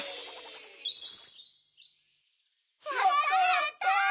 やったやった！